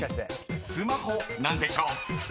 ［「スマホ」何でしょう？］